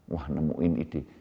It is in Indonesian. wah nemuin ide